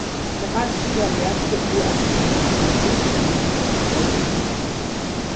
سپس این واقعیت که او اسیری بیش نبود در مغزش جایگزین شد.